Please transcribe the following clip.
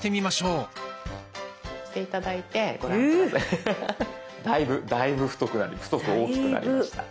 う！だいぶだいぶ太く太く大きくなりました。